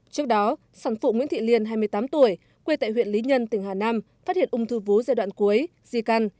trước đó sản phụ nguyễn thị liên hai mươi tám tuổi quê tại huyện lý nhân tỉnh hà nam phát hiện ung thư vú giai đoạn cuối di căn